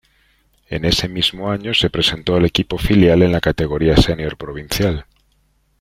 En ese mismo año, se presentó al equipo filial en la categoría senior provincial.